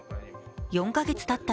４か月たった